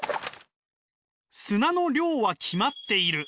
砂の量は決まっている。